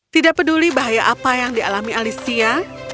tidak peduli bahaya apa yang dialami alicia